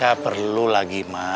gak perlu lagi ma